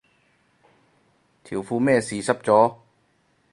條褲咩事濕咗